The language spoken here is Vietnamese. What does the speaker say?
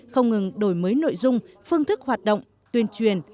không ngừng đổi mới nội dung phương thức hoạt động tuyên truyền